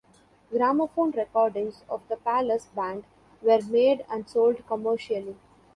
Gramophone recordings of the palace band were made and sold commercially.